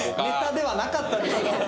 ネタではなかったですね。